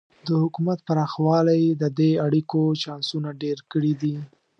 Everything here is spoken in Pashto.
د حکومت پراخوالی د دې اړیکو چانسونه ډېر کړي دي.